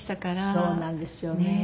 そうなんですよね。